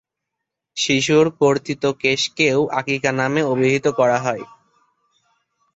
শিশুর কর্তিত কেশকেও আকিকা নামে অভিহিত করা হয়।